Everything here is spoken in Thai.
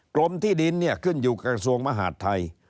กรมที่ดินเนี่ยขึ้นอยู่กระทรวงมหาดไทย